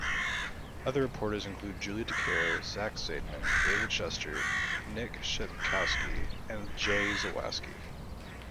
Other reporters include Julie Dicaro, Zach Zaidman, David Schuster, Nick Shepkowski, and Jay Zawaski.